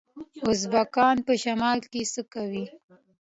ازبکان په شمال کې څه کوي؟